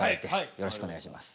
よろしくお願いします。